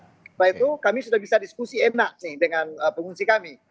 setelah itu kami sudah bisa diskusi enak nih dengan pengungsi kami